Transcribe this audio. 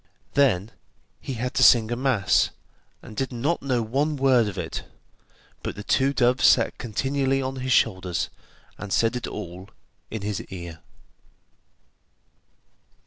Then he had to sing a mass, and did not know one word of it, but the two doves sat continually on his shoulders, and said it all in his ear.